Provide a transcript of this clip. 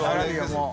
もう。